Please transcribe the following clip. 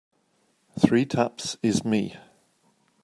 Three taps is me.